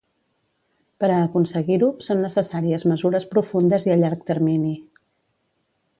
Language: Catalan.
Per a aconseguir-ho, són necessàries mesures profundes i a llarg termini.